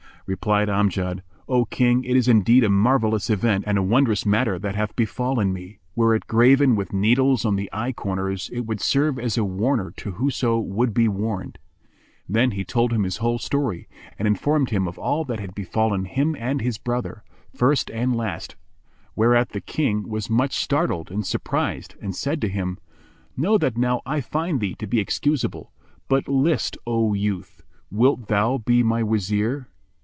Replied Amjad, "O King, it is indeed a marvellous event and a wondrous matter that hath befallen me: were it graven with needles on the eye corners, it would serve as a warner to whoso would be warned!" Then he told him his whole story and informed him of all that had befallen him and his brother, first and last; whereat the King was much startled and surprised and said to him, "Know that now I find thee to be excusable; but list, O youth! Wilt thou be my Wazír?"